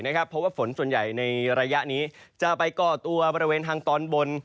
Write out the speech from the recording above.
เพราะว่าฝนส่วนใหญ่ในระยะนี้จะไปก่อตัวบริเวณทางตอนบน